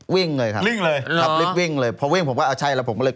วิ่งเลยครับวิ่งเลยครับรีบวิ่งเลยพอวิ่งผมก็อ่าใช่แล้วผมก็เลย